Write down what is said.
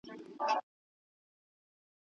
لاس مې اوږد کړلو سپوږمۍ ته